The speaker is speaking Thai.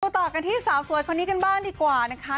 ต่อกันที่สาวสวยคนนี้กันบ้างดีกว่านะคะ